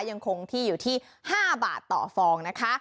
ยังคงที่อยู่ที่๕บาทต่อฟองนะคะ